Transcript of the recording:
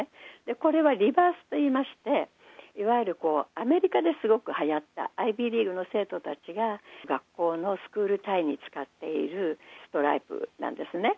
これはリバースといいまして、いわゆるアメリカですごくはやった、アイビースクールの生徒たちが、学校のスクールタイに使っているストライプなんですね。